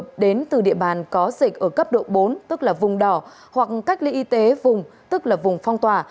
người bệnh đến từ địa bàn có dịch ở cấp độ bốn tức là vùng đỏ hoặc cách ly y tế vùng tức là vùng phong tỏa